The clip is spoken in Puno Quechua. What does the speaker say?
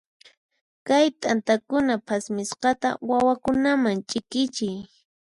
Kay t'antakuna phasmisqata wawakunaman ch'iqichiy.